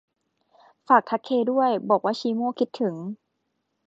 ฝากทักเคด้วย บอกว่าชีโม่คิดถึง